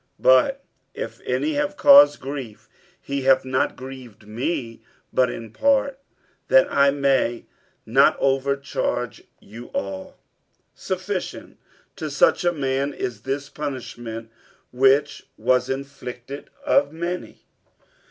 47:002:005 But if any have caused grief, he hath not grieved me, but in part: that I may not overcharge you all. 47:002:006 Sufficient to such a man is this punishment, which was inflicted of many.